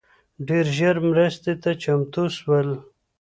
ډېر ژر مرستي ته چمتو سول